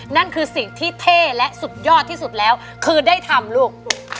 นั่นคือสิ่งที่เท่และสุดยอดที่สุดแล้วคือได้ทำลูก